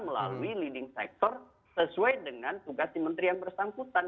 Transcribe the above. melalui leading sector sesuai dengan tugas di menteri yang bersangkutan